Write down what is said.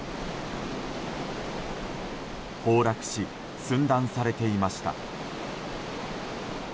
崩落し、寸断されていました。